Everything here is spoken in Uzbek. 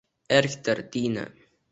Erkdir dini